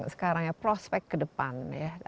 sekarang ya prospek ke depan ya